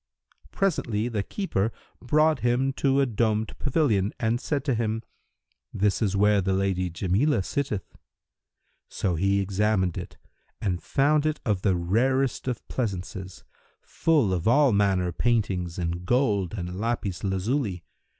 Presently, the keeper brought him to a domed pavilion and said to him, "This is where the Lady Jamilah sitteth." So he examined it and found it of the rarest of pleasances, full of all manner paintings in gold and lapis lazuli.